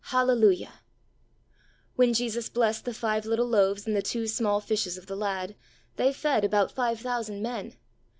Hallelujah ! When Jesus blessed the five little loaves and the two small fishes of the lad, they fed about five thousand men.